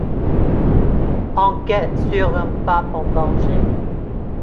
Enquête sur un pape en danger.